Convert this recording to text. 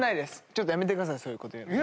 ちょっとやめてくださいそういう事言うの。